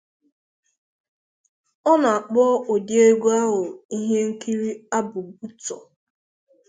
Ọ na-akpọ ụdị egwu a Ihe nkiri abụ Butoh.